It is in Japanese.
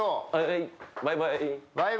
バイバイ！